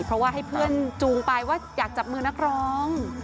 เพราะว่าให้เพื่อนจูงไปว่าอยากจับมือนักร้อง